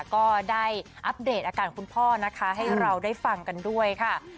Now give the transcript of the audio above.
ก็ได้อัปเดตอาการของคุณพ่อนะคะให้เราได้ฟังกันด้วยค่ะ